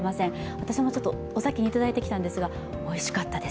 私もお先に頂いてきたんですが、おいしかったです。